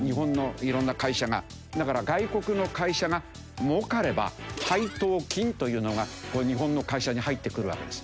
だから外国の会社が儲かれば配当金というのが日本の会社に入ってくるわけです。